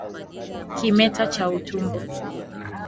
Kimeta cha utumbo